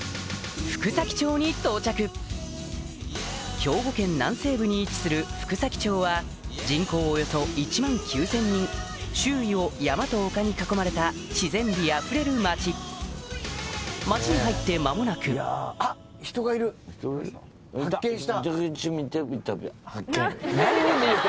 福崎町に到着兵庫県南西部に位置する福崎町は人口およそ１万９０００人周囲を山と丘に囲まれた自然美あふれる町町に入って間もなく発見した！